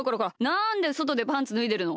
なんでそとでパンツぬいでるの！